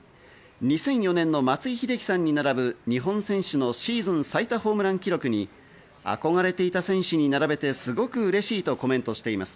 ２００４年の松井秀喜さんに並ぶ日本選手のシーズン最多ホームラン記録に、憧れていた選手に並べてすごく嬉しいとコメントしています。